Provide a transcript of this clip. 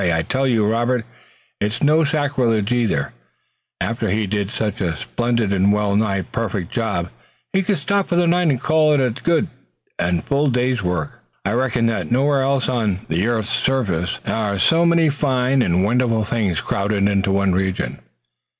I tell you, Robert and it's no sacrilege either after He did such a splendid and well nigh perfect job He could stop for the night and call it a good and full day's work. I reckon that nowhere else on the earth's surface are so many fine and wonderful things crowded into one region."